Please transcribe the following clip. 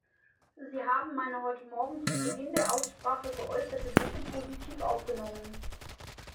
Sie haben meine heute Morgen zu Beginn der Aussprache geäußerte Bitte positiv aufgenommen.